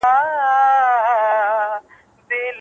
که رښتیا وي نو وقار وي.